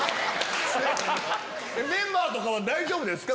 メンバーとかは大丈夫ですか？